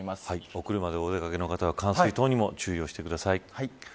お車でお出掛けの方は冠水等にも注意してください。